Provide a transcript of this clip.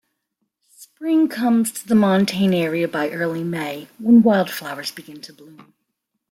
Spring comes to the montane area by early May, when wildflowers begin to bloom.